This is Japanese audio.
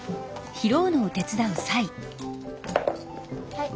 はい。